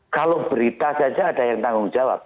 kalau berita saja ada yang tanggung jawab